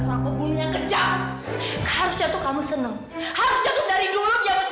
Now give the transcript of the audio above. ibu butahkan mata kamu kamu tuh bodoh dibodohi sama ayah kamu